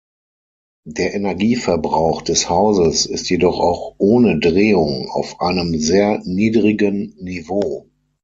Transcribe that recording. Der Energieverbrauch des Hauses ist jedoch auch ohne Drehung auf einem sehr niedrigen Niveau.